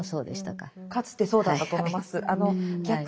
かつてそうだったと思います。